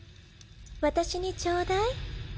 私にちょうだい。